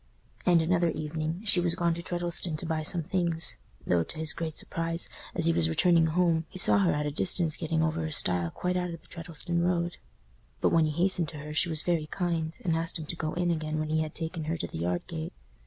And another evening she was gone to Treddleston to buy some things; though, to his great surprise, as he was returning home, he saw her at a distance getting over a stile quite out of the Treddleston road. But, when he hastened to her, she was very kind, and asked him to go in again when he had taken her to the yard gate.